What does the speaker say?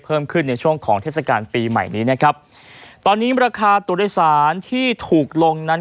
เพิ่มขึ้นในช่วงของเทศกาลปีใหม่นี้นะครับตอนนี้ราคาตัวโดยสารที่ถูกลงนั้น